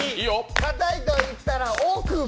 かたいといったら奥歯。